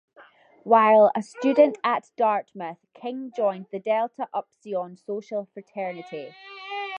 While a student at Dartmouth, King joined the Delta Upsilon social fraternity.